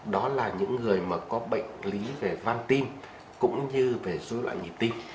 đó là những người mà có bệnh lý về văn tim cũng như về dối loạn nhịp tim